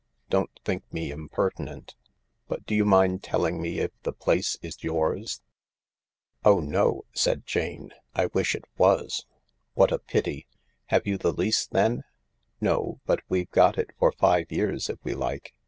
Don't think me impertinent— but do you mind telling me if the place is yours ?"" Oh no," said Jane, " I wish it was." " What a pity ! Have you the lease then ?"" No, but we've got it for five years if we like.